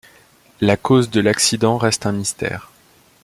La cause de l'accident reste un mystère.